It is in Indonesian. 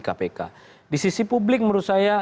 kpk di sisi publik menurut saya